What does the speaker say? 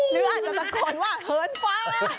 หรืออาจจะตะโกนว่าเหินฟ้า